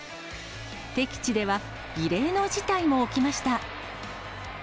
敵地では異例の事態も起きました。